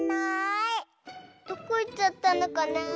どこいっちゃったのかなあ。